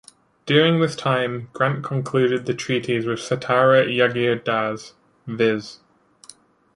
During this time, Grant concluded the treaties with the Satara jagirdars, "viz".